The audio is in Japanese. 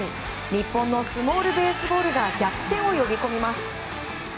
日本のスモールベースボールが逆転を呼び込みます。